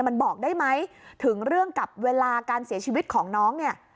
มันบอกได้ไหมถึงเรื่องกับเวลาการเสียชีวิตของน้องเนี่ย